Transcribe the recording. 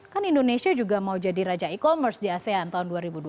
kan indonesia juga mau jadi raja e commerce di asean tahun dua ribu dua puluh